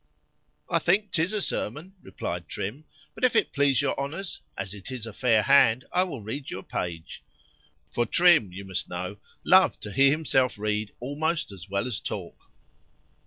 _ I think 'tis a sermon, replied Trim:—but if it please your Honours, as it is a fair hand, I will read you a page;—for Trim, you must know, loved to hear himself read almost as well as talk.